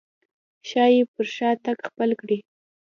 ښايي پر شا تګ خپل کړي.